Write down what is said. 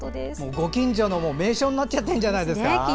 ご近所の名所になっちゃってるんじゃないですか。